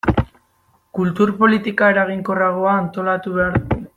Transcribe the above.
Kultur politika eraginkorragoa antolatu behar dugu.